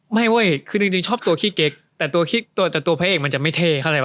เว้ยคือจริงชอบตัวขี้เก๊กแต่ตัวพระเอกมันจะไม่เท่เข้าใจป่